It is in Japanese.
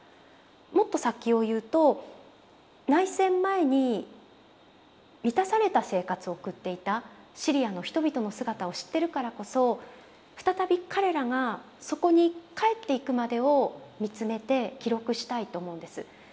もっと先を言うと内戦前に満たされた生活を送っていたシリアの人々の姿を知ってるからこそ再び彼らがそこに帰っていくまでをみつめて記録したいと思うんです。